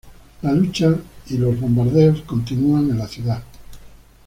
La lucha y los bombardeos continúan en la ciudad.